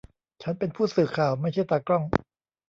ฉันเป็นผู้สื่อข่าว ไม่ใช่ตากล้อง